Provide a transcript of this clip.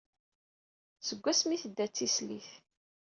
Seg asmi i d-tedda d tislit.